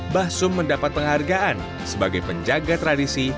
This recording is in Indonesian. mbah sum mendapat penghargaan sebagai penjaga tradisi